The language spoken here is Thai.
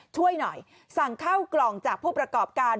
ช่วยหน่อยสั่งข้าวกล่องจากผู้ประกอบการ